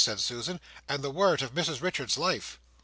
said Susan, "and the worrit of Mrs Richards's life!"